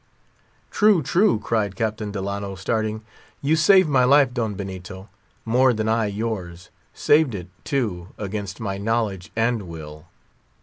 "True, true," cried Captain Delano, starting, "you have saved my life, Don Benito, more than I yours; saved it, too, against my knowledge and will."